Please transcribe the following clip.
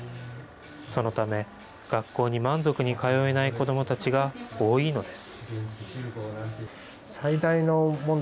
そのため、学校に満足に通えない子どもたちが多いのです。